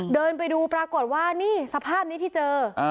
เดินไปดูปรากฏว่านี่สภาพนี้ที่เจอ